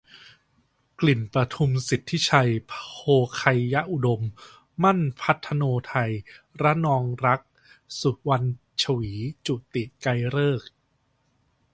กลิ่นประทุม สิทธิชัย โภไคยอุดม มั่น พัธโนทัย ระนองรักษ์ สุวรรณฉวี จุติ ไกรฤกษ์